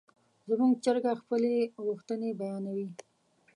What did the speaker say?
زموږ چرګه خپلې غوښتنې بیانوي.